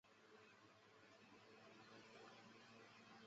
维尔斯特是德国下萨克森州的一个市镇。